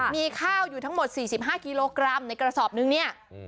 มีข้าวอยู่ทั้งหมด๔๕กิโลกรัมในกระสอบนึงเนี่ย